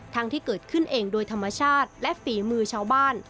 ทั้งที่เกิดขึ้นเองโดยธรรมชาติและฝีมือชาวบ้าน